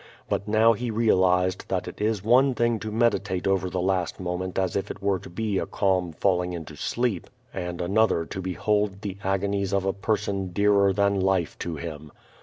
But now he realized that it is one thing to meditate over the last moment as if it were to be a calm falling into sleep, and another thing to behold the agonies of a person dearer than life to him.